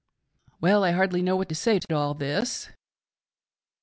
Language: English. L. P. : Well, I hardly know what to say to all this.